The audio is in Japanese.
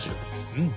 うん。